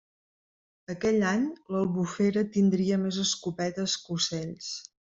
Aquell any l'Albufera tindria més escopetes que ocells.